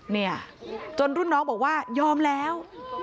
เนี่ยจนรุ่นน้องบอกว่ายอมแล้ว